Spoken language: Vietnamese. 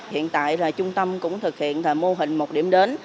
hiện tại là trung tâm cũng thực hiện mô hình một điểm đến